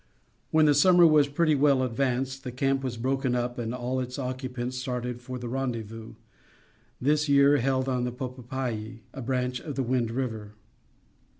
When the summer was pretty well advanced, the camp was broken up and all of its occupants started for the Rendezvous, this year held on the Popoayhi, a branch of the Wind River.